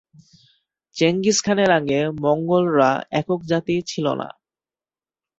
Genghis খানের আগে মঙ্গোলরা একক জাতি ছিল না।